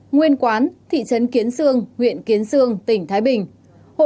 ba nguyên quán thị trấn kiến sương nguyện kiến sương tỉnh thái bình